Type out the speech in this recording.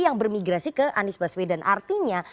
yang bermigrasi ke anies baswedan artinya